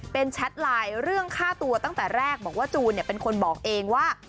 เป็นแชทไลน์เรื่องฆ่าตัวตั้งแต่แรกบอกว่าจูนเป็นคนบอกเองว่า